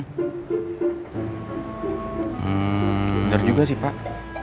bener juga sih pak